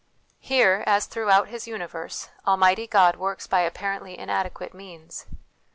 Here, as throughout his universe, Almighty God works by apparently inadequate means.